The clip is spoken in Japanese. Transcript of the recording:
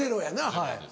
はい。